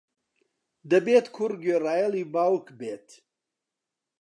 دەبێت کوڕ گوێڕایەڵی باوک بێت.